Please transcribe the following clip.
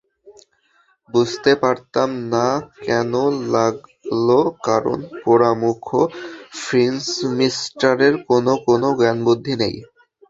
বুঝতে পারলাম না কেনো লাগলো, কারণ পোড়ামুখো ফিঞ্চমিস্টারের কোনো কোনো জ্ঞানবুদ্ধি নেই।